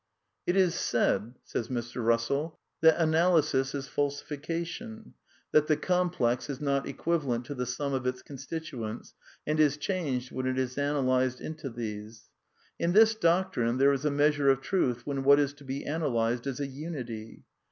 "It is said that analysis is falsification, that the complex is not equivalent to the sum of its constituents and is changed when it is analysed into these. In this doctrine ... there is a measure of truth when what is to be analysed is a unity.